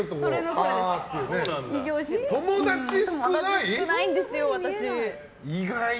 少ないんですよ、私。